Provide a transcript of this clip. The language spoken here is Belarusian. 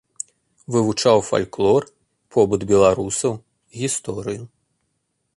Вывучаў фальклор, побыт беларусаў, гісторыю.